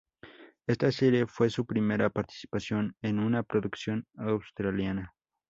Esta serie fue su primera participación en una producción australiana.